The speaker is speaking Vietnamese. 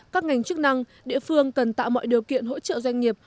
các ngành chức năng địa phương cần tạo mọi điều kiện hỗ trợ doanh nghiệp